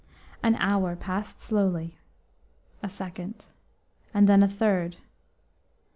An hour passed slowly; a second, and then a third.